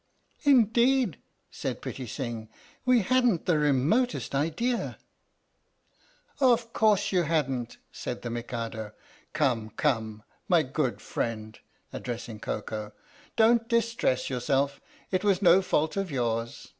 "Indeed," said Pitti Sing, "we hadn't the re motest idea " "Of course you hadn't," said the Mikado. "Come, 103 THE STORY OF THE MIKADO come, my good friend [addressing Koko], don't dis tress yourself it was no fault of yours.